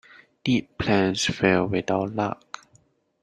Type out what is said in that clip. Neat plans fail without luck.